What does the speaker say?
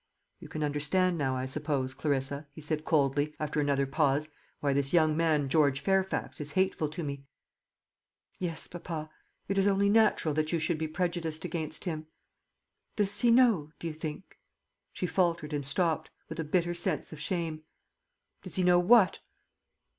"You can understand now, I suppose, Clarissa," he said coldly, after another pause, "why this young man, George Fairfax, is hateful to me." "Yes, papa. It is only natural that you should be prejudiced against him. Does he know, do you think " she faltered and stopped, with a bitter sense of shame. "Does he know what?"